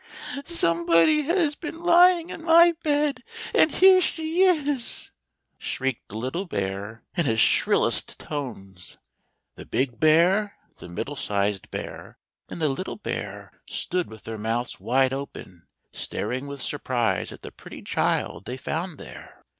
" Somebody has been lying in my bed — and here she is/" shrieked the little bear in his shrillest tones. The big bear, the middle sized bear, and the little bear stood with their mouths wide open, staring with surprise at the pretty child they found there.